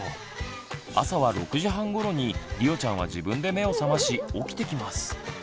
朝は６時半ごろにりおちゃんは自分で目を覚まし起きてきます。